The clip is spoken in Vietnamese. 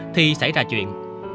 thì xảy ra chuyện